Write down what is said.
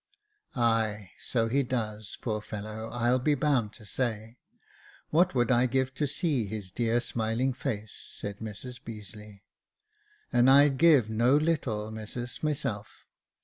" Ay, so he does, poor fellow, I'll be bound to say. What would I give to see his dear smiling face !" said Mrs Beazeiey. *' And I'd give no little, missus, myself.